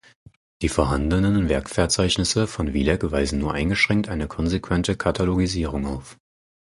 Die vorhandenen Werkverzeichnisse von Vilec weisen nur eingeschränkt eine konsequente Katalogisierung auf.